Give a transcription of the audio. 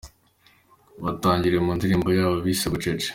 Batangiriye mu ndirimbo yabo bise ’Bucece’.